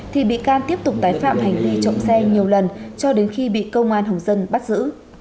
thì bị can tiếp tục tái phạm hành vi trộm xe nhiều lần cho đến khi bị công an hồng dân bắt giữ